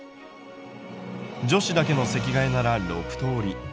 女子だけの席替えなら６通り。